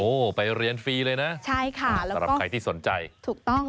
โอ้ไปเรียนฟรีเลยนะสำหรับใครที่สนใจใช่ค่ะถูกต้อง